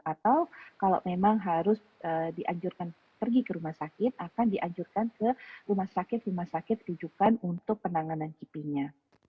atau kalau memang harus dianjurkan pergi ke rumah sakit akan dianjurkan ke rumah sakit rumah sakit rujukan untuk penanganan kipinya